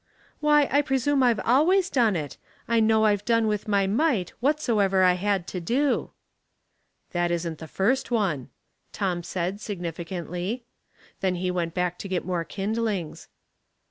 "" Why, I presume I've always done it. I know I've done with my might whatsoever I had to do." " That isn't the first one," Tom said, signifi cantly. Then he went back to get more kind lings.